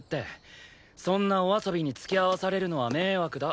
そんなお遊びに付き合わされるのは迷惑だ。